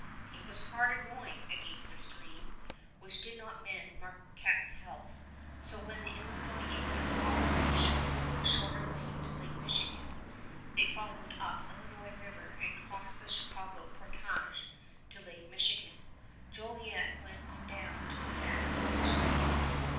It was harder going against stream, which did not mend Marquette's health; so when the Illinois Indians offered to show them a shorter way to Lake Michigan, they followed up Illinois River and crossed the Chicago portage to Lake Michigan. Jolliet went on down to Quebec with his report.